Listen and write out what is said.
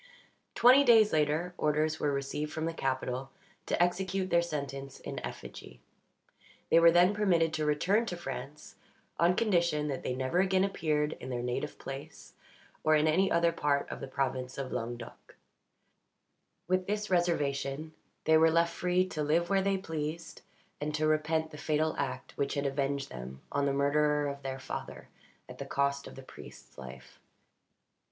Twenty days later, orders were received from the capital to execute their sentence in effigy. They were then permitted to return to France, on condition that they never again appeared in their native place, or in any other part of the province of Languedoc. With this reservation they were left free to live where they pleased, and to repent the fatal act which had avenged them on the murderer of their father at the cost of the priest's life.